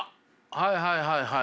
はいはいはいはい。